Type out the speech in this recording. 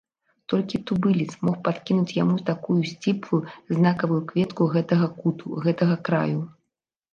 Толькі тубылец мог падкінуць яму такую сціплую, знакавую кветку гэтага куту, гэтага краю.